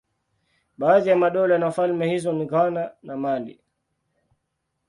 Baadhi ya madola na falme hizo ni Ghana na Mali.